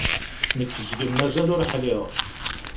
Nekk seg-m mazal ur ḥliɣ.